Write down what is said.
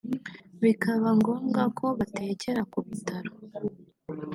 bikaba ngombwa ko batekera ku bitaro